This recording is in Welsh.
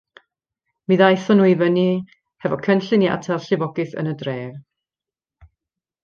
Mi ddaethon nhw i fyny hefo cynllun i atal llifogydd yn y dref.